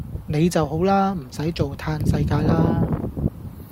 你就好啦！唔駛做嘆世界啦